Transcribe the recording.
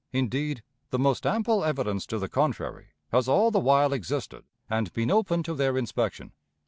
Indeed, the most ample evidence to the contrary has all the while existed and been open to their inspection.